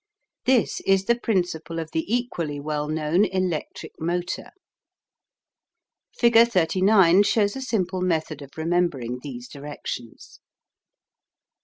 This is the principle of the equally well known electric motor. Figure 39 shows a simple method of remembering these directions.